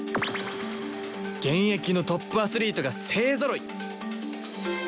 現役のトップアスリートが勢ぞろい！